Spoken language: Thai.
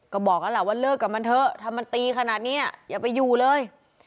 ก็บอกแล้วล่ะว่าเลิกกับมันเถอะถ้ามันตีขนาดนี้อย่าไปอยู่เลย